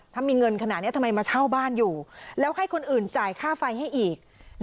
ถ้ามีเงินขนาดนี้ทำไมมาเช่าบ้านอยู่แล้วให้คนอื่นจ่ายค่าไฟให้อีก